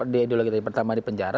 di ideologi pertama di penjara